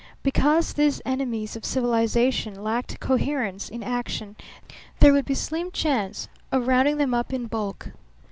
Because these enemies of civilization lacked coherence in action there would be slim chance of rounding them up in bulk.